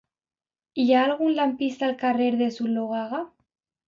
Hi ha algun lampista al carrer de Zuloaga?